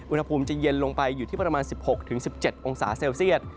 อุณหภูมิจะเย็นลงไปอยู่ที่ประมาณ๑๖๑๗องศาเซลเซียต